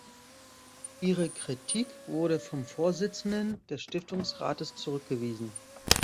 Ihre Kritik wurde vom Vorsitzenden des Stiftungsrates zurückgewiesen.